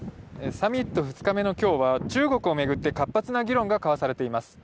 サミット２日目の今日は中国を巡って活発な議論が交わされています。